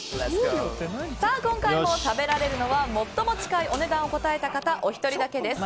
今回も食べられるのは最も近いお値段を答えた方お一人だけです。